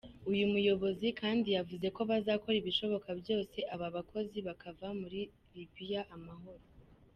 Uyu muyobozi kandi yavuze ko bazakora ibishoboka byose aba bakozi bakava muri Libiya amahoro.